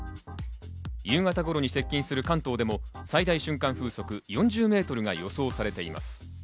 夕方頃に接近する関東でも最大瞬間風速４０メートルが予想されています。